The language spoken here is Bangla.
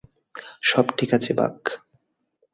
সব ঠিক আছে, বাক।